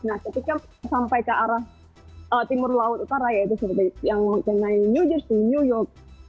nah ketika sampai ke arah timur laut utara yaitu seperti yang new jersey new york pennsylvania connecticut